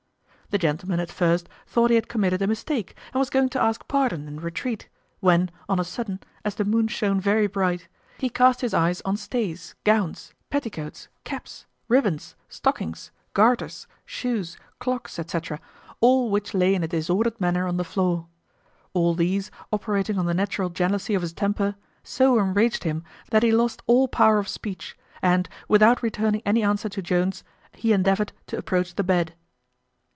The gentleman at first thought he had committed a mistake, and was going to ask pardon and retreat, when, on a sudden, as the moon shone very bright, he cast his eyes on stays, gowns, petticoats, caps, ribbons, stockings, garters, shoes, clogs, &c., all which lay in a disordered manner on the floor. All these, operating on the natural jealousy of his temper, so enraged him, that he lost all power of speech; and, without returning any answer to Jones, he endeavoured to approach the bed.